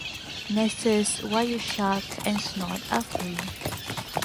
Nessus, Wireshark, and Snort are free.